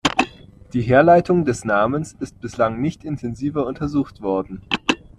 Die Herleitung des Namens ist bislang nicht intensiver untersucht worden.